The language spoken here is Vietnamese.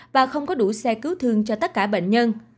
và không có đủ xe cứu thương cho tất cả bệnh nhân